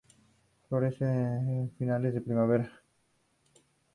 Florece a finales de primavera.